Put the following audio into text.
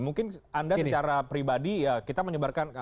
mungkin anda secara pribadi ya kita menyebarkan